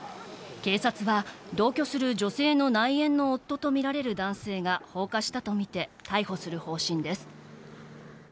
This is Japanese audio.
警察は、同居する女性の内縁の夫と見られる男性が放火したと見て、逮捕する方針です。